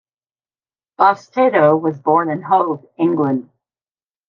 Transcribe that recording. Bastedo was born in Hove, England.